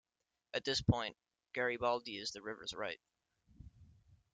At this point, Garibaldi is to the river's right.